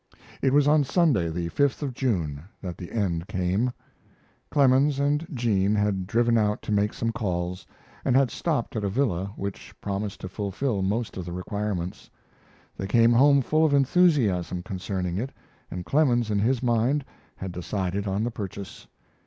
It was on Sunday, the 5th of June, that the end came. Clemens and Jean had driven out to make some calls, and had stopped at a villa, which promised to fulfil most of the requirements. They came home full of enthusiasm concerning it, and Clemens, in his mind, had decided on the purchase.